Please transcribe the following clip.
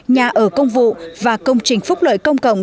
nhà ở công vụ và công trình phúc lợi công cộng